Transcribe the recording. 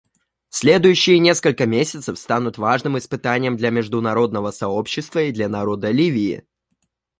Следующие несколько месяцев станут важным испытанием для международного сообщества и для народа Ливии.